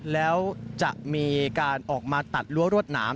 แล้วจะมีการออกมาตัดรั้วรวดหนาม